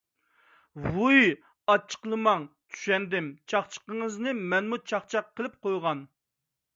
ۋوي ئاچچىقلىماڭ. چۈشەندىم چاقچىقىڭىزنى، مەنمۇ چاقچاق قىلىپ قويغان.